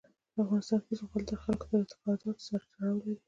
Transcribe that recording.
په افغانستان کې زغال د خلکو د اعتقاداتو سره تړاو لري.